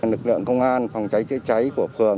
lực lượng công an phòng cháy chữa cháy của phường